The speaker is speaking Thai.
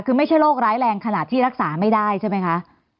คือไม่ใช่โรคร้ายแรงขนาดที่รักษาไม่ได้ใช่ไหมคะ